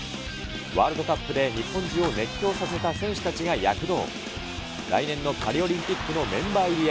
ワールドカップで日本中を熱狂させた選手たちが躍動。